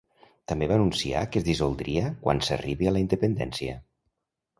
També va anunciar que es dissoldria quan s'arribi a la independència.